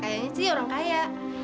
kayaknya sih orang kaya